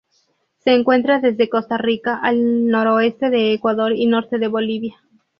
Se encuentra desde Costa Rica al noroeste de Ecuador y norte de Bolivia.